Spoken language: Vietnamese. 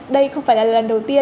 đây không phải là lần đầu tiên